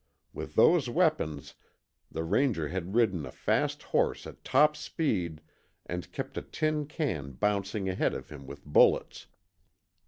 With those weapons the Ranger had ridden a fast horse at top speed and kept a tin can bouncing ahead of him with bullets.